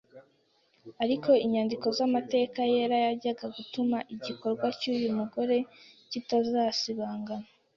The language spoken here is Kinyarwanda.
ariko inyandiko z'amateka yera yajyaga gutuma igikorwa cy'uyu mugore kitazasibangana